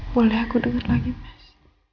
boleh aku dengar lagi mas